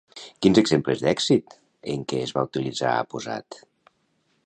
Quins exemples d'èxit en què es va utilitzar ha posat?